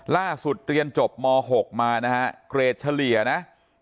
เรียนจบม๖มานะฮะเกรดเฉลี่ยนะ